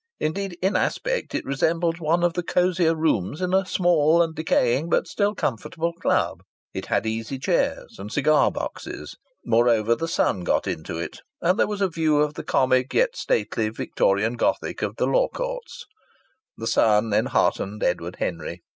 Indeed in aspect it resembled one of the cosier rooms in a small and decaying but still comfortable club. It had easy chairs and cigar boxes. Moreover, the sun got into it, and there was a view of the comic yet stately Victorian Gothic of the Law Courts. The sun enheartened Edward Henry.